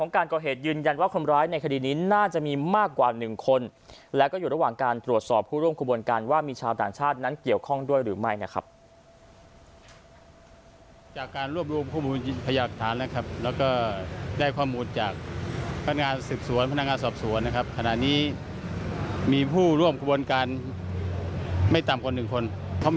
เขามีประวัติในการทำลักษณะเช่นนี้มาก่อน